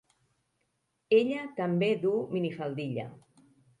Ella també du minifaldilla.